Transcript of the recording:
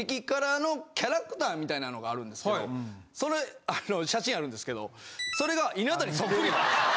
みたいなのがあるんですけどそれ写真あるんですけどそれが稲田にそっくりなんです。